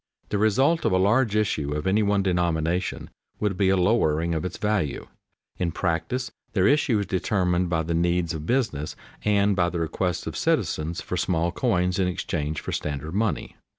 The result of a large issue of any one denomination would be a lowering of its value. In practice their issue is determined by the needs of business and by the requests of citizens for small coins in exchange for standard money.